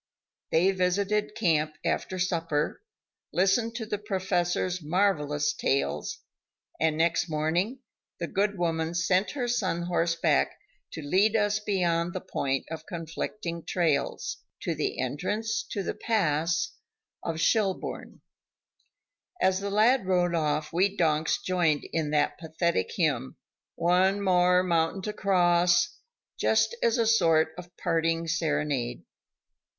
They visited camp after supper, listened to the Professor's marvelous tales, and next morning the good woman sent her son horseback to lead us beyond the point of conflicting trails, to the entrance to the pass to Schelbourne. As the lad rode off we donks joined in that pathetic hymn: "One more mountain to cross," just as a sort of parting serenade.